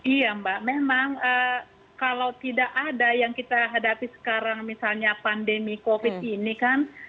iya mbak memang kalau tidak ada yang kita hadapi sekarang misalnya pandemi covid ini kan